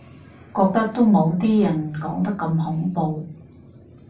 覺得都冇啲人講得咁恐怖